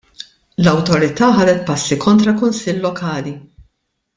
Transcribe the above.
L-awtorità ħadet passi kontra kunsill lokali.